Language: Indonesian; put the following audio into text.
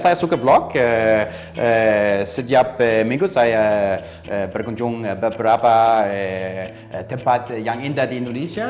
saya suka blok setiap minggu saya berkunjung beberapa tempat yang indah di indonesia